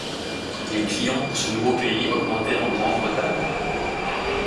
Les clients pour ce nouveau pays augmentaient en Grande-Bretagne.